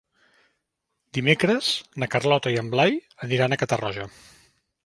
Dimecres na Carlota i en Blai aniran a Catarroja.